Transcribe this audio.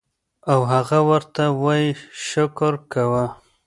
او هغه ورته وائي شکر کوه